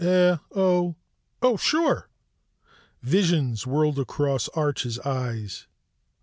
"Eh oh. Oh, sure!" Visions whirled across Arch's eyes.